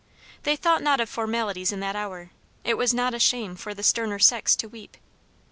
They thought not of formalities in that hour; it was not a shame for the sterner sex to weep.